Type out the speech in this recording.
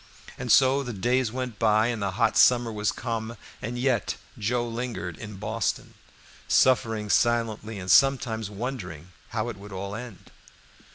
And so the days went by and the hot summer was come, and yet Joe lingered in Boston, suffering silently and sometimes wondering how it would all end.